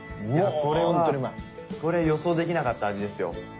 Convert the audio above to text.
いやこれはこれは予想できなかった味ですよ。